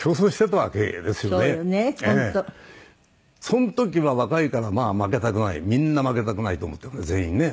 その時は若いからまあ負けたくないみんな負けたくないと思ってるから全員ね。